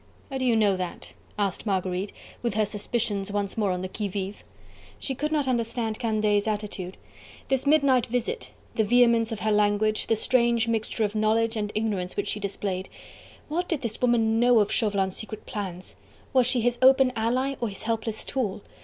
"How do you know that?" asked Marguerite, with her suspicions once more on the qui vive. She could not understand Candeille's attitude. This midnight visit, the vehemence of her language, the strange mixture of knowledge and ignorance which she displayed. What did this woman know of Chauvelin's secret plans? Was she his open ally, or his helpless tool?